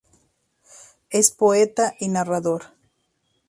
Es poeta y narrador.